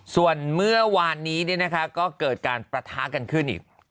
ส่วนเมื่อวานนี้ก็เกิดการประทะกันขึ้นอีก